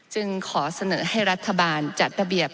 จึงขอเสนอให้รัฐบาลจัดระเบียบ